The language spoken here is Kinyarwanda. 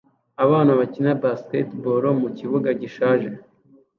Abana bakina basketball mu kibuga gishaje